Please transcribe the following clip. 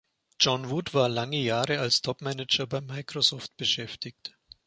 John Wood war lange Jahre als Top-Manager bei Microsoft beschäftigt.